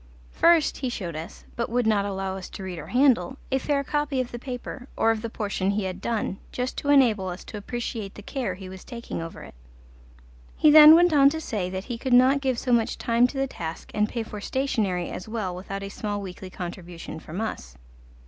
First he showed us, but would not allow us to read or handle, a fair copy of the paper, or of the portion he had done, just to enable us to appreciate the care he was taking over it. He then went on to say that he could not give so much time to the task and pay for stationery as well without a small weekly contribution from us.